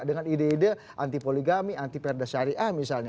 dengan ide ide anti poligami anti perda syariah misalnya